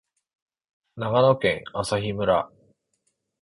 長野県朝日村